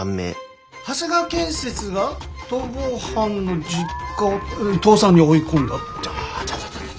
長谷川建設が逃亡犯の実家を倒産に追い込んだってこと？